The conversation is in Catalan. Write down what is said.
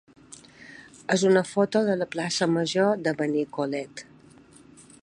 és una foto de la plaça major de Benicolet.